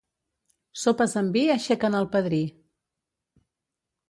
Sopes amb vi aixequen el padrí.